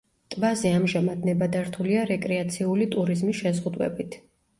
ტბაზე ამჟამად ნებადართულია რეკრეაციული ტურიზმი შეზღუდვებით.